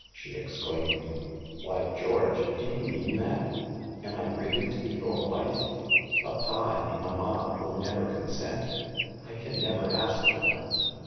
She exclaimed : "Why, George, do you mean that? Am I really to be your wife ? Papa and mamma will never consent. I can never ask them."